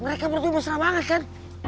mereka berdua senang banget kan